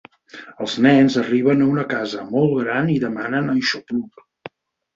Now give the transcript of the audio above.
Els nens arriben a una casa molt gran i demanen aixopluc.